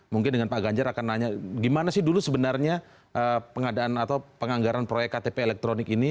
mungkin dengan pak ganjar akan nanya gimana sih dulu sebenarnya pengadaan atau penganggaran proyek ktp elektronik ini